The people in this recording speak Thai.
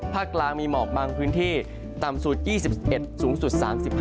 กลางมีหมอกบางพื้นที่ต่ำสุด๒๑สูงสุด๓๕